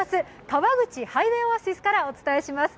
川口ハイウェイオアシスからお伝えします。